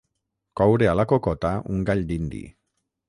Coure a la cocota un gall dindi.